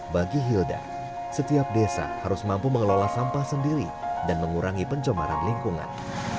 bagi hilda setiap desa harus mampu mengelola sampah sendiri dan mengurangi pencemaran lingkungan